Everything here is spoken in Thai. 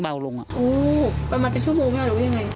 ประมาณเท่าไหร่หรือว่าอย่างไร